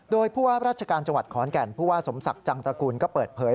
โดยผู้ว่าราชการจังหวัดขอนแก่นผู้ว่าสมศักดิ์จังตระกูลก็เปิดเผย